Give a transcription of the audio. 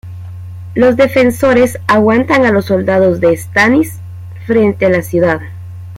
Los defensores aguantan a los soldados de Stannis frente a la ciudad.